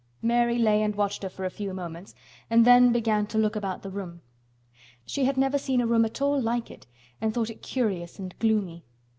Mary lay and watched her for a few moments and then began to look about the room. She had never seen a room at all like it and thought it curious and gloomy.